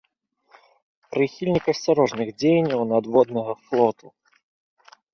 Прыхільнік асцярожных дзеянняў надводнага флоту.